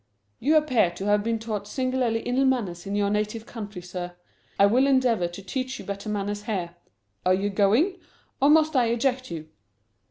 "You appear to have been taught singularly ill manners in your native country, sir. I will endeavour to teach you better manners here. Are you going? Or must I eject you?"